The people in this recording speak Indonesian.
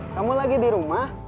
kamu lagi di rumah